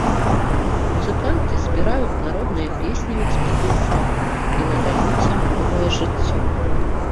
Музыканты збіраюць народныя песні ў экспедыцыях і надаюць ім новае жыццё.